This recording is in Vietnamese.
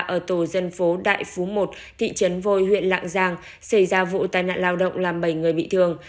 ở tổ dân phố đại phú một thị trấn vôi huyện lạng giang xảy ra vụ tai nạn lao động làm bảy người bị thương